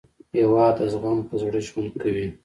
هېواد د زغم په زړه ژوند کوي.